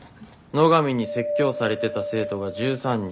野上に説教されてた生徒が１３人。